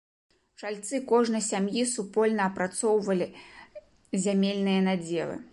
Чальцы кожнай сям'і супольна апрацоўвалі зямельныя надзелы.